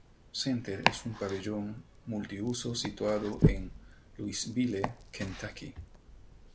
Center es un pabellón multiusos situado en Louisville, Kentucky.